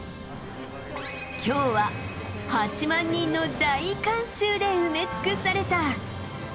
きょうは８万人の大観衆で埋め尽くされた。